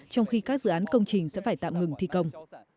trong khi các dự án công trình sẽ phải tạm ngừng thi công